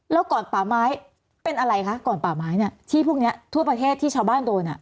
แล้วก่อนป่าไม้เป็นอะไรคะก่อนป่าไม้เนี่ยที่พวกนี้ทั่วประเทศที่ชาวบ้านโดน